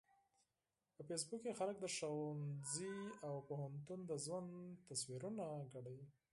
په فېسبوک کې خلک د ښوونځي او پوهنتون د ژوند تصویرونه شریکوي